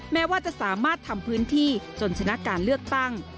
แม้ว่าจะสามารถทำพื้นที่จนชนะการเลือกตั้ง